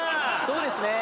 そうですね。